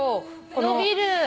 伸びる。